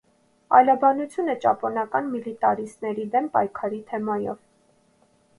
Այլաբանություն է ճապոնական միլիտարիստների դեմ պայքարի թեմայով։